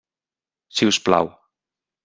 Si us plau.